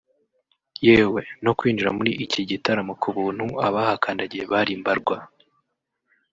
yewe no kwinjira muri iki gitaramo ku buntu abahakandagiye bari mbarwa